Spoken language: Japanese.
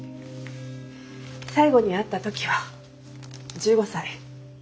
最後に会った時は１５歳。